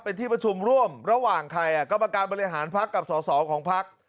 เป็นที่ประชุมร่วมระหว่างใครอ่ะกรรมการบริหารพักกับสอสอของพัก